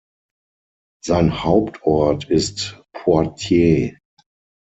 Sein Hauptort ist Poitiers.